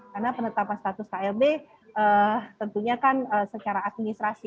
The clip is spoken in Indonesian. karena penetapan status klb tentunya kan secara administrasi